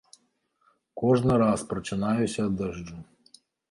Кожны раз прачынаюся ад дажджу.